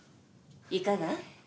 いかが？